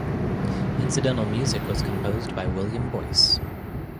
Incidental music was composed by William Boyce.